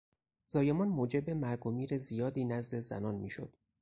زایمان موجب مرگ و میر زیادی نزد زنان میشد.